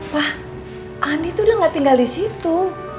wah andi tuh udah gak tinggal disitu